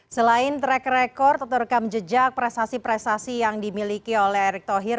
selain track record atau rekam jejak prestasi prestasi yang dimiliki oleh erick thohir